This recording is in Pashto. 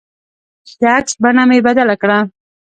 د عکس بڼه مې بدله کړه.